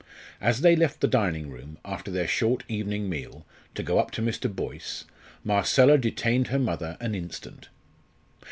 As they left the dining room, after their short evening meal, to go up to Mr. Boyce, Marcella detained her mother an instant.